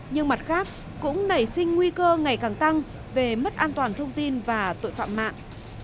nhưng mặt khác cũng nảy sinh nguy cơ ngày càng tăng về mất an toàn thông tin và tội phạm mạng